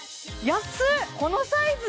安い！